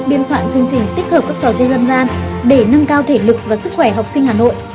biên soạn chương trình tích hợp các trò chơi dân gian để nâng cao thể lực và sức khỏe học sinh hà nội